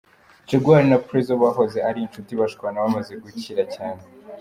Jaguar na Prezzo bahoze ari inshuti bashwana bamaze gukira cyane.